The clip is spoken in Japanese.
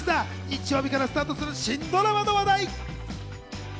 日曜日からスタートする新ドラマの話題。